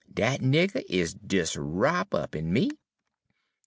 Dat nigger is des wrop' up in me.'